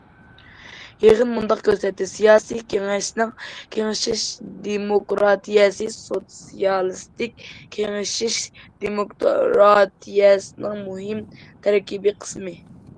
يىغىن مۇنداق كۆرسەتتى: سىياسىي كېڭەشنىڭ كېڭىشىش دېموكراتىيەسى سوتسىيالىستىك كېڭىشىش دېموكراتىيەسىنىڭ مۇھىم تەركىبىي قىسمى.